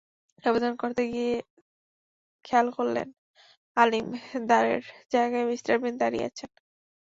আবেদন করতে গিয়ে খেয়াল করলেন, আলিম দারের জায়গায় মিস্টার বিন দাঁড়িয়ে আছেন।